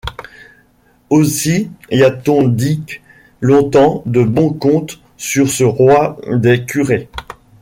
Aussy ha-t-on dict longtemps de bons contes sur ce roy des curés!...